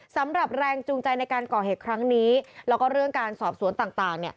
สำหรับแรงจูงใจในการก่อเหตุครั้งนี้แล้วก็เรื่องการสอบสวนต่าง